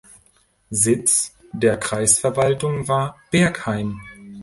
Sitz der Kreisverwaltung war Bergheim.